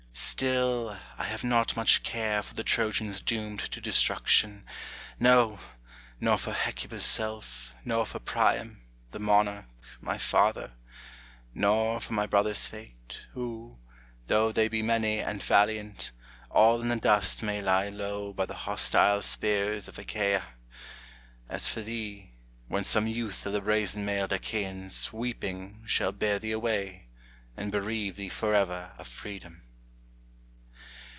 Still, I have not such care for the Trojans doomed to destruction, No, nor for Hecuba's self, nor for Priam, the monarch, my father, Nor for my brothers' fate, who, though they be many and valiant, All in the dust may lie low by the hostile spears of Achaia, As for thee, when some youth of the brazen mailed Achæans Weeping shall bear thee away, and bereave thee forever of freedom.